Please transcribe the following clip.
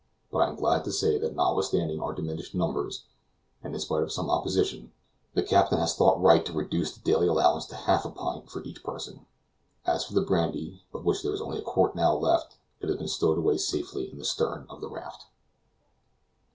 But I am glad to say that notwithstanding our diminished numbers, and in spite of some opposition, the captain has thought right to reduce the daily allowance to half a pint for each person. As for the brandy, of which there is only a quart now left, it has been stowed away safely in the stern of the raft.